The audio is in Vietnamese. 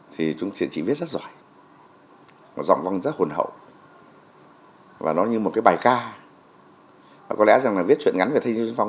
thì chúng tôi chỉ viết về vì chúng tôi đã gặp rất nhiều thanh niên sung phong